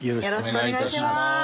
よろしくお願いします。